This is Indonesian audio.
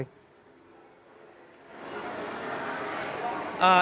bagaimana menurut anda